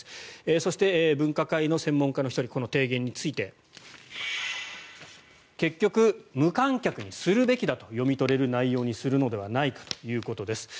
そして、分科会の専門家の１人この提言について結局、無観客にするべきだと読み取れる内容にするのではないかということです。